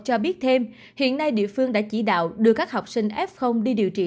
cho biết thêm hiện nay địa phương đã chỉ đạo đưa các học sinh f đi điều trị